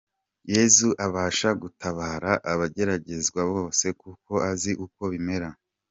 Yesu abasha gutabara abageragezwa bose, kuko azi uko bimera.